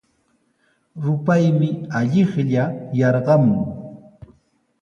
Rupaymi allaqlla yarqamun.